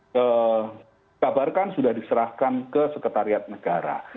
dikabarkan sudah diserahkan ke sekretariat negara